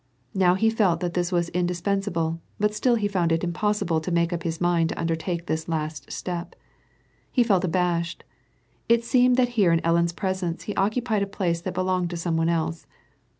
Now he felt that this was indispensable, but still he found it impossible to make up his mind to undertake this last step. He felt abashed ;• it seemed that here in Ellen's presence he occupied a place that belonged to some one else.